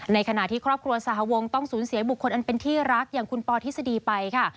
ในขณะที่ครอบครัวสหวงต้องสูญเสียบุคคลอันเป็นที่รักอย่างคุณปอทฤษฎีไปค่ะ